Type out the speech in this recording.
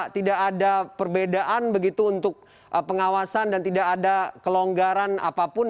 tidak ada perbedaan begitu untuk pengawasan dan tidak ada kelonggaran apapun